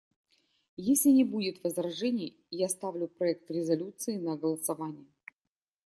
Если не будет возражений, я ставлю проект резолюции на голосование.